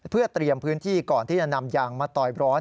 เพื่อเตรียมพื้นที่ก่อนที่จะนำยางมาต่อยร้อน